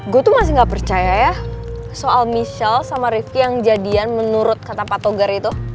gue tuh masih gak percaya ya soal michelle sama rifki yang jadian menurut kata pak togar itu